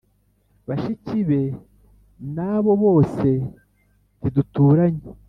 Bashiki be na bo bose ntiduturanye